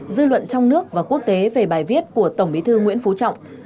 dư luận trong nước và quốc tế về bài viết của tổng bí thư nguyễn phú trọng